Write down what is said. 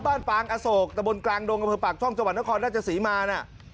ป้านปางอโศกแต่บนกลางโดงกระเพือปากช่องจังหวานฮอลน่าจะศรีมาน่ะ